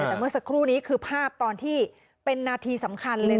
แต่เมื่อสักครู่นี้คือภาพตอนที่เป็นนาทีสำคัญเลย